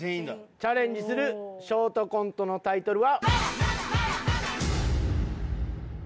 チャレンジするショートコントのタイトルは。